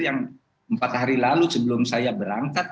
yang empat hari lalu sebelum saya berangkat